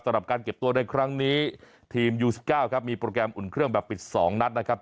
สำหรับการเก็บตัวในครั้งนี้ทีมยู๑๙ครับมีโปรแกรมอุ่นเครื่องแบบปิด๒นัดนะครับ